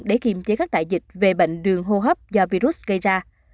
để kiềm chế các đại dịch về bệnh đường hô hấp do virus gây ra